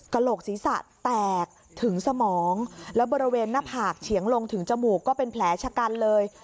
โหลกศีรษะแตกถึงสมองแล้วบริเวณหน้าผากเฉียงลงถึงจมูกก็เป็นแผลชะกันเลย